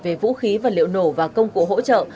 về vũ khí vật liệu nổ và công cụ hỗ trợ